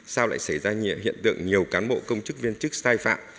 sao lại xảy ra hiện tượng nhiều cán bộ công chức viên chức sai phạm